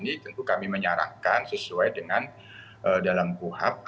di sian indonesia newsroom